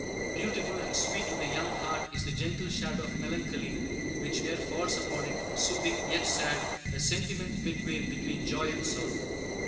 Beautiful and sweet to the young heart is the gentle shadow of melancholy which here falls upon it, soothing, yet sad, a sentiment midway between joy and sorrow.